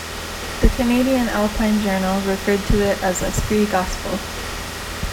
The "Canadian Alpine Journal" referred to it as a "scree gospel".